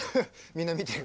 みんな見てる。